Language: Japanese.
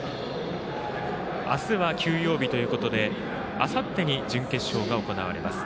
明日は休養日ということであさってに準決勝が行われます。